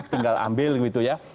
tinggal ambil gitu ya